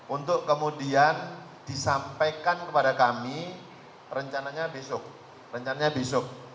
untuk kemudian disampaikan kepada kami rencananya besok